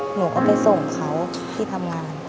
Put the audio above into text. หนูก็ไปส่งเขาที่ทำงาน